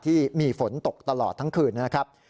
ที่มีฝนตกตลอดทั้งคืนนะครับ